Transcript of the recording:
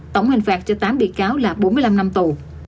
tổng hình phạt cho tám bị cáo là bốn mươi năm năm tù